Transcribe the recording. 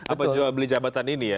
apa jual beli jabatan ini ya